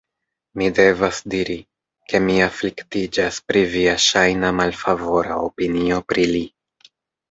Mi devas diri, ke mi afliktiĝas pri via ŝajna malfavora opinio pri li.